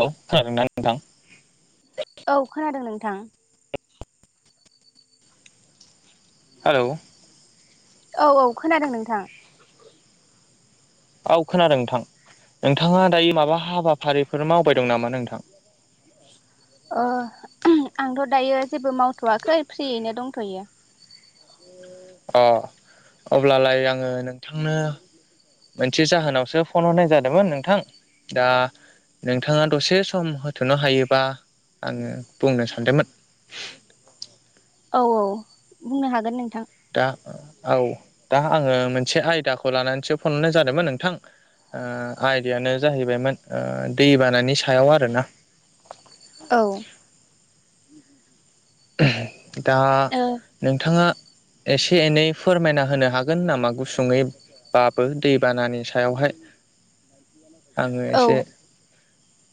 औ खोनादोना नोंथां? औ खोनादों नोंथां। हालौ! औ औ खोनादों नोंथां। औ खोनादों नोंथां। नोंथाङा दायो माबा हाबाफारिफोर मावबाय दं नामा नोंथां? [inaudible] ओ आंथ' दायो जेबो मावथ'वाखै फ्रियैनो दंथ'यो। अ अब्लालाय आङो नोंथांनो मोनसे जाहोनावसो फन हराय जादोंमोन नोंथां। दा नोंथाङा दसे सम होथ'नो हायोबा आङो बुंनो सानदोंमोन। [inaudible] औ औ बुंनो हागोन नोंथां। दा औ दा आङो मोनसे आयदाखौ लानानैसो फनहरनाय जादोंमोन नोंथां। ओ आयदायानो जाहैबायमोन दै बानानि सायाव आरोना। औ। दा ओ नोंथाङा एसे एनै फोरमायना होनो हागोन नामा गुसुङै बाबो दैबानानि सायावहाय। आङो औ एसे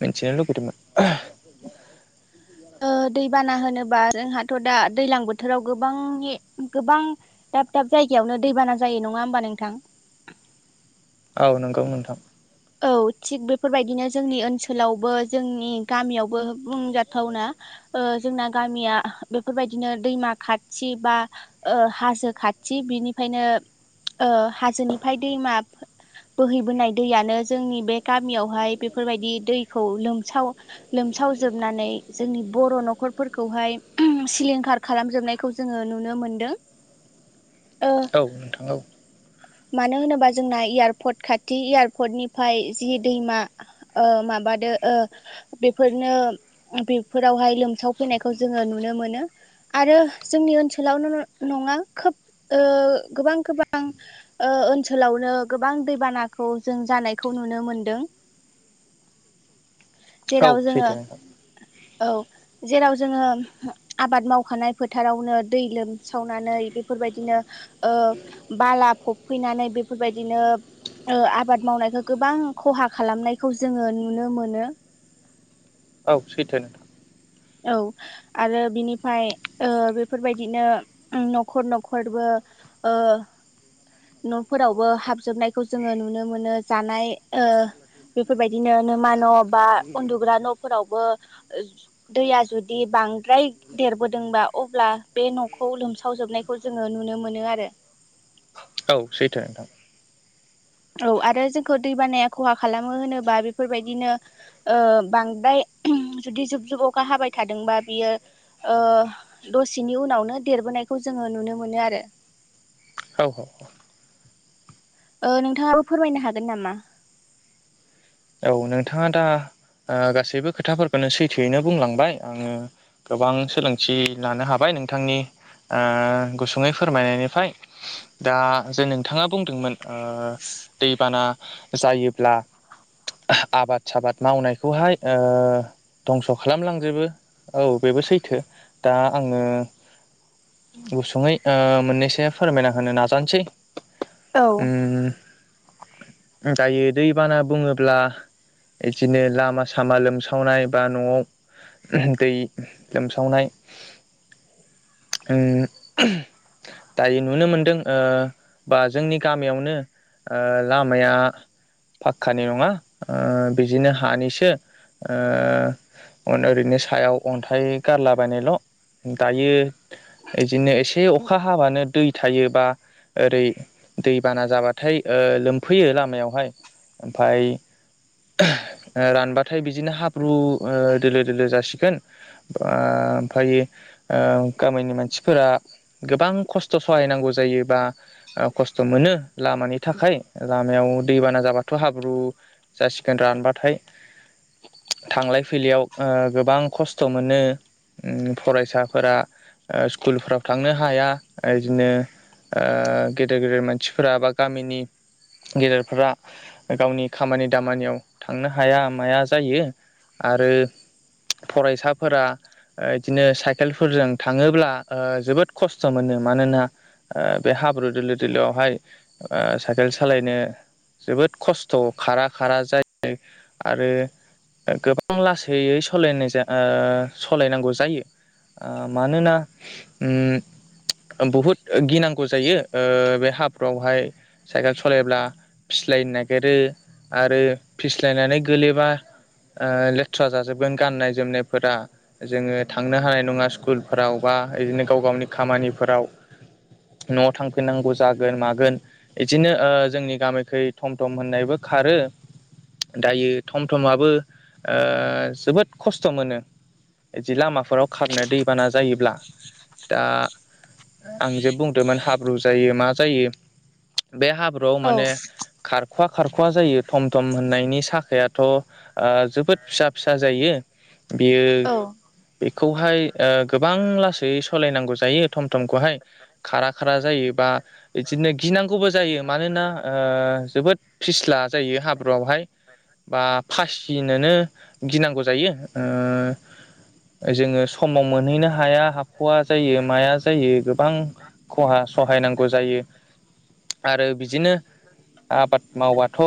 मिथिनो लुबैदोमोन दै बाना होनोबा जोंहाथ' दा दैलां बोथोराव गोबांनि गोबां दाब-दाब जायगा यावनो दैबाना जायो नङा होमबा नोंथां औ नोंगौ नोंथां। औ थिग बेफोरबायदिनो जोंनि ओनसोलावबो जोंनि गामियावबो बुंजाथावना। ओ जोंना गामिया बेफोरबायदिनो दैमा खाथि बा हाजो खा थि बिनिफ्रायनो ओ हाजोनिफ्राय दैमा बोहैबोनाय दैयानो जोंनि बे गामियावहाय बेफोरबायदि दैखौ लोमसाव-लोमसावजोबनानै जोंनि बर' न'खरफोरखौहाय ओम सिलिंखार खालामजोबनायखौ जोङो नुनो मोनदों। [inaudible] ओ औ नोंथां औ। मानो होनोबा जोंना एयारपर्ट खाथि एयारपर्टनि फाय जि दैमा माबादो बेफोरनो बेफोरावहाय लोमसाव फैनायखौ जोङो नुनो मोन नो आरो जोंनि ओनसोलावनो नङा खोब ओ गोबां-गोबां ओ ओनसोलावनो गोबां दैबानाखौ जों जानाय खौ नुनो मोनदों। औ जेराव जोङो सैथो नोंथां। औ जेराव जोङो आबाद मावखानाय फोथारावनो दै लोमसावनानै बे फोरबायदिनो ओ बाला फबफैनानै बेफोरबायदिनो ओ आबाद मावनायखौ गोबां खहा खालामनायखौ जोङो नुनो मोनो औ सैथो नोंथां। औ आरो बिनिफाय ओ बेफोरबायदिनो न'खर न'खरबो ओ न'फोरावबो हाबजोबनायखौ जोङो नुनो मोनो जानाय ओ बेफोरबायदिनो नोमा न' बा उन्दुग्रा न'फोरावबो दैया जुदि बांद्राय देरबोदोंबा अब्ला बे न'खौ लोमसावजोबनायखौ जोङो नुनो नुनो मोनो आरो औ सैथो नोंथां औ आरो जोंखौ दै बानाया खहा खालामो होनोबा बेफोरबायदिनो ओ बांद्राय [unintelligible] जुदि जुब-जुब अखा हाबाय थादोंबा बियो ओ दसेनि उनावनो देर देरबोनायखौ जोङो नुनो मोनो आरो औ औ औ ओ नोंथाङाबो फोरमायनो हागोन नामा? औ नोंथाङा दा ओ गासैबो खोथाफोरखौनो सैथोयैनो बुंलांबाय आङो गोबां सोलोंथि लानो हाबाय नोंथांनि ओ गुसुङै फोरमायनायनिफ्राय दा जे नोंथाङा बुंदोंमोन दैबाना जायोब्ला आबाद साबाद मावनायखौहाय ओ दंस' खालामलांजोबो औ बेबो सैथो दा आङो गुसुङै ओ मोननैसो फोरमायना होनो नाजानिसै औ उम दायो दैबाना बुङोब्ला इदिनो लामा सामा लोमसावनाय बा न'आव दै लोमसावनाय उम दायो नुनो मोनदों ओ बा जोंनि गामियावनो ओ लामाया फाक्कानि नङा ओ बिदिनो हानिसो ओ ओरैनो सायाव अन्थाइ गारलाबायनायल' दायो बिदिनो एसे अखा हाबानो दै थायोबा ओरै दैबाना जाबाथाय लोमफैयो लामायावहाय ओमफाय [unintelligible] ओ रानबाथाय बिदिनो हाब्रु दोलो दोलो जासिगोन ओ ओमफाय ओ गामिनि मानसिफोरा गोबां खस्थ' सहायनांगौ जायो बा खस्थ' मोनो लामानि थाखाय लामायाव, दै बाना जाबाथ' हाब्रु जासिगोन रानबाथाय थांलाय फैलायाव ओ गोबां खस्थ' मोनो, उम फरायसाफोरा स्कुलफोराव थांनो हाया इदिनो ओ गेदेर गेदेर मानसिफोरा बा गामिनि, गेदेरफोरा गावनि खामानि, दामानियाव थांनो हाया माया जायो आरो फरायसाफोरा ओ इदिनो साइकेलफोरजों थाङोब्ला जोबोद खस्थ' मोनो मानोना बेहा हाब्रु दोलो दोलोआवहाय साइकेल सालायनो जोबोद खस्थ' खारा खारा जायो आरो गोबां लासैयै सालायनाय सालायनांगौ जायो। ओ मानोना ओम बुहुद गिनांगौ जायो ओ बे हाफ्रावहाय साइकेल सलायब्ला फि स्लायनो नागिरो आरो फिस्लायनानै गोलैबा ओ लेथ्रा जाजोबगोन गाननाय जोमनायफोरा जोङो थांनो हानाय नङा स्कुलफोराव बा आ बिदिनो गाव गावनि खामानिफोराव न'आव थांफिननांगौ जागोन मागोन इदिनो जोंनि गामिखै थम थम होननायबो खारो दायो थम थमाबो ओ जोबोद खस्थ' मोनो बिदि लामाफोराव खारनो दैबाना जायोब्ला दा आं जे बुंदोंमोन हाब्रु जायो मा जायो। बे हाब्रुआव औ माने खारखुवा खारख जायो थम थम होननायनि साखायथ' जोबोद फिसा फिसा जायो। बियो औ खौहाय ओ गोबां लासै सालायनांगौ जायो थम थमखौहाय खारा खारा जायोबा बिदिनो गिनांगौबो जायो मानोना जोबोद फिस्ला जायो हाब्रुआवहाय बा फासिनोनो गिनांगौ जायो ओ जोङो समाव मोनहैनो हाया हाख'वा जायो माया जायो गोबां खहा सहायनांगौ जायो। आरो बिदिनो आबाद मावबाथ'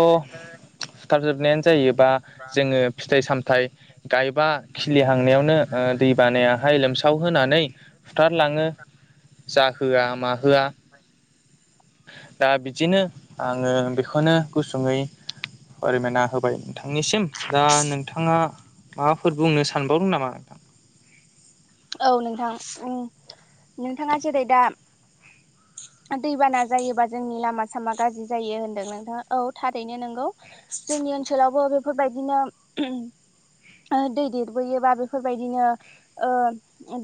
सुथाब जोबनायानो जायोबा जोङो फिथाइ सामथायाइ गायबा खिलिहांनायावनो दै बानायाहाय लोमसाव होनानै बुथारलाङो जाहोआ माहोआ दा बिदिनो आङो बेखौनो गुसुङै फोरमायना होबाय नोंथांनिसिम दा नोंथाङा माबाफोर बुंनो सानबावदों नामा नोंथां? औ नोंथां नोंथाङा जेरै दा [inaudible] दैबाना जायोबा जोंनि लामा सामा गाज्रि जायो होनदों नोंथाङा औ थारैनो नोंगौ जों जोंनि ओनसोलावबो बेफोरबायदिनो दै देरबोयोबा बेफोरबायदिनो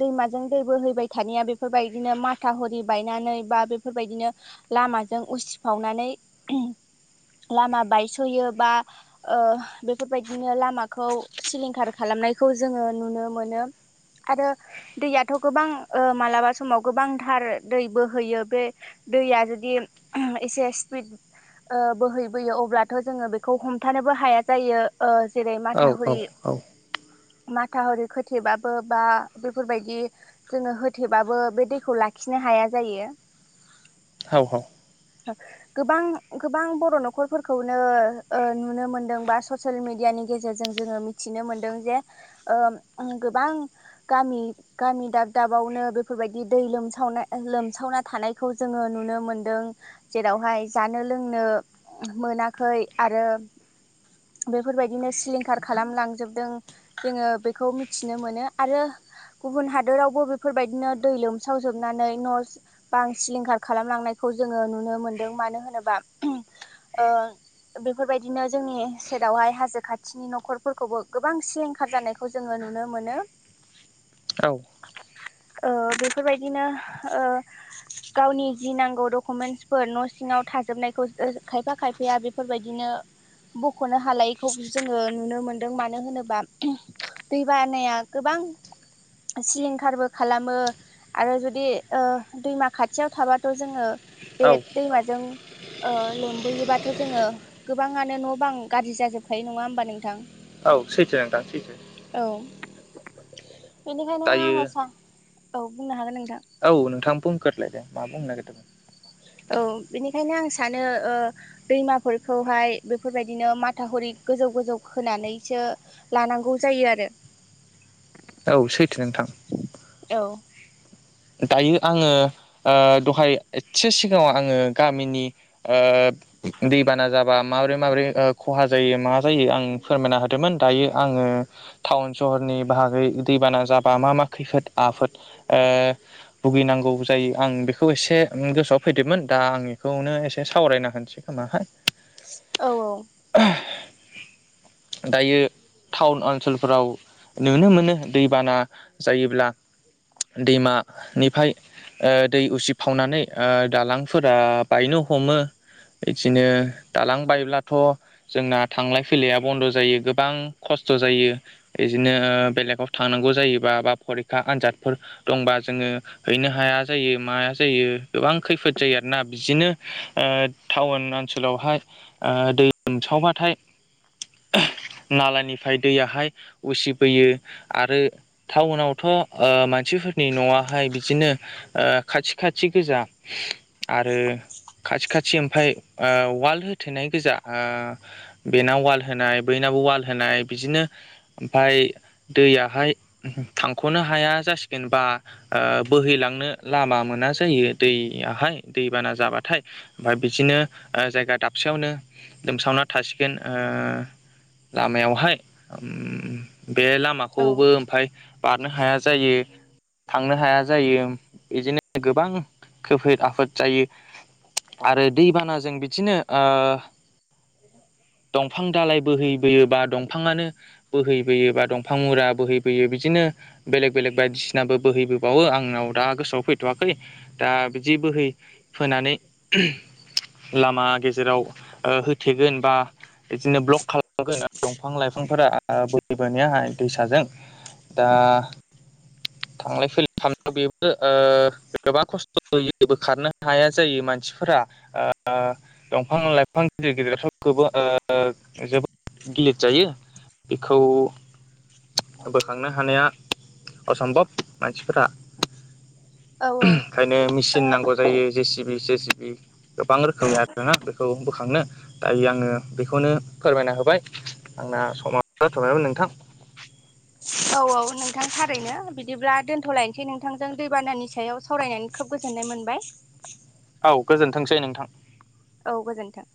दैमाजों दै बो हैैबाय थानाया बेफोरबायदिनो माथा हरि बायनानै बा बेफोरबायदिनो लामाजों उसिफावनानै लामा बायस'यो बा बेफोरबायदिनो लामाखौ सिलिंखार खालाम नायखौ जोङो नुनो मोनो। आरो दैयाथ' गोबां ओ मालाबा समाव गोबांथार दै बोहैयो बे दै दैया जुदि एसे स्पिड ओ बोहैबोयो अब्लाथ' जोङो बेखौ हमथानोबो हाया जायो ओ जेरै औ औ माथावरि औ माथावरि खोथेबाबो बा बेफोरबायदि जोङो होथेबाबो बे दैखौ लाखिनो हाया जायो। औ औ गोबां गोबां बर' न'खरफोरखौनो ओ नुनो मोनदोंबा ससियेल मिडियानि नि गेजेरजों जोङो मिथिनो मोनदों जे ओ गोबां गामि गामि दाब दाबावनो बेफोरबायदि दै लोमसावनाय लोमसावना थानायखौ जों जोङो नुनो मोनदों जेरावहाय जानो लोंनो मोनाखै आरो बेफोरबायदिनो सिलिंखार खालामलांजोबदों जोङो बेखौ मिथिनो मोनो आरो गुबुन हादोरावबो बेफोरबायदिनो दै लोमसावजोबनानै न' बां सिलिंखार खालामलांनायखौ जोङो नुनो मोनदों मानो होनोबा ओ बेफोरबायदिनो जोंनि सेरावहाय हाजो खाथिनि न'खरफोरखौबो गोबां सिलिंखार जानायखौ जोङो नुनो मोनो ओ बेफोरबायदिनो ओ गावनि जि नांगौ डकुमेन्टसफोर न' सिङाव थाजोबनायखौ खायफा खायफाया बेफोरबायदिनो बख'नो हालायैखौ जोङो नुनो मोनदों मानो होनोबा दै बानाया गोबां सिलिंखारबो खालामो आरो जुदि ओ दैमा खाथियाव थाबाथ' जोङो बे औ दैमाजों ओ लोमबोयोबाथ' जोङो गोबां ङानो न' बां गाज्रि जाजोबखायो नङा होमबा नोंथां औ सैथो नोंथां सैथो- औ बेनिखायनो दायो आङो सानो औ बुंनो हागोन नोंथां औ नोंथां बुंगोरलाय दे मा बुंनो नागिरदोंमोन औ बेनिखायनो आं सानो ओ दैमाफोरखौहाय बेफोरबायदिनो माथावरि गोजौ गोजौ खोनानैसो लानांगौ जायो आरो औ सैथो नोंथां औ दायो आङो ओ दहाय एसे सिगाङाव आङो गामिनि ओ दैबाना जाबा माबोरै माबोरै ओ खहा जायो मा जायो आं फोरमायना होदोंमोन दायो आं आङो टाउन सहरनि बागै दैबाना जाबा मा मा खैफोद आफोद ओ भुगिनांगौ जायो आं बेखौ एसे गोसोआव फैदोंरमोन दा आं बेखौनो एसे सावरायना होनो होनोसै खोमाहाय औ औ दायो टाउन ओनसोलफोराव नुनो मोनो दैबाना जायोब्ला दैमा निफ्राय ओ दै उसिफावनानै ओ दालांफोरा बायनो हमो बिदिनो दालां बायोब्लाथ' जोंना थांलाय फैलाया बन्द' जायो गोबां खस स्थ' जायो बिदिनो बेलेगाव थांनांगौ जायोबा बा फरिखा आनजादफोर दंबा जोङो हैनो हाया जायो माया जायो गोबां खैफोद जायो आरोना बिदिनो ओ टाउन ओनसोलावहाय ओ दै लोमसावबाथाय नालानिफ्राय दैयाहाय उसिबोयो आरो टाउनआवथ' ओ मानसिफोरनि न'आ हाय बिदिनो ओ खाथि खाथि गोजा आरो खाथि खाथि ओमफ्राय ओ वाल होथेनाय गोजा ओ बेनाव वाल होनाय बैनाव वाल होनाय बिदिनो ओमफाय दैयाहाय थांख'नो हाया जासि गोनबा ओ बोहैलांनो लामा मोना जायो दैयाहाय दैबाना जाबाथाय ओमफ्राय बिसिनो ओ जायगा दाबसेयावनो लोमसावना थासिगोन ओ लामायावहाय उम बे औ लामाखौबो ओमफाय बारनो हाया जायो। थांनो हाया जायो इदिनो गोबां खैफोद आफोद जायो। आरो दैबानाजों बिदिनो ओ दंफां दालाय बोहैबोयोबा दंफाङानो बोहैबोयो बा दंफां मुरा बोहैबोयो बिदिनो बेलेग बेलेग बायदि सिनाबो बोहैबोबावो आंनाव दा गोसोआव फैथ'वाखै दा बिदि बोहै फोनानै लामा गेजेराव ओ होथेगोन बा इदिनो ब्लक खालामागोन दंफां-लाइफांफोरा आ बोहैबोनाया दैसाजों दा थांलाय फैलाय खालामनायाव बेबो ओ गोबां खस्थ' होयो बोखारनो हाया जायो मानसि फोरा ओ दंफां-लाइफां गिदिर गिदिरफोरखोबो ओ जोबोद गिलिद जायो बेखौ बोखांनो हानाया असम्भब मानसिफोरा ओंखायनो औ मिसिन नांगौ जायो जेसि बि जेसिबि गोबां रोखोमनि आरोना बेखौ बोखांनो दायो आङो बेखौनो फोरमाय ना होबाय आंना समा जाथ'बायमोन नोंथां औ औ नोंथां थारैनो बिदिब्ला दोनथ'लायनोसै नोंथांजों दैबानानि सायाव सावरायनानै खोब गोजोन नाय मोनबाय औ गोजोनथोंसै नोंथां औ गोजोनथों